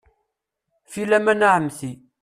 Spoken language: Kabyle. Filaman a Ɛemti.